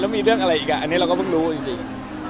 มีเรื่องอะไรอีกอันนี้เราก็เพิ่งรู้จริง